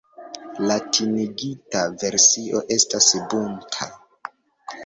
Latinigita versio estas "Bunta".